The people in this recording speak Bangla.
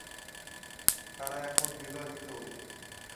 তারা এখন বিবাহিত!